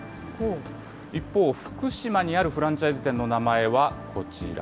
一方、福島にあるフランチャイズ店の名前はこちら。